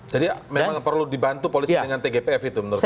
jadi memang perlu dibantu polisi dengan tgpf itu menurut anda